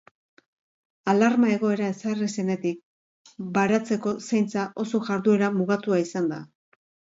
Alarma-egoera ezarri zenetik, baratzeko zaintza oso jarduera mugatua izan da.